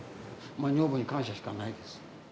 女房に感謝しかないです。